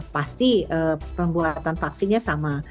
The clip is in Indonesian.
pasti pembuatan vaksinnya sama